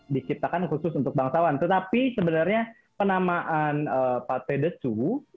disiptakan khusus untuk bangsawan tetapi sebenarnya penamaan paté de sous